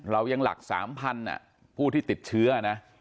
เรายังหลัก๓๐๐ผู้ที่ติดเชื้อนะ